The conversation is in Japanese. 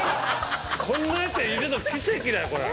こんなヤツいるの奇跡だよこれ。